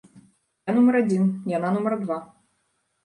Я нумар адзін, яна нумар два.